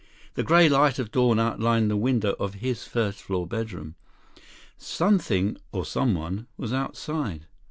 The gray light of dawn outlined the window of his first floor bedroom. Something—or someone—was outside.